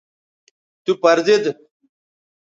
تو پر زید